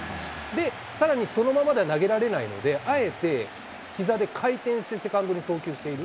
で、さらにそのままでは投げられないので、あえてひざで回転してセカンドに送球している。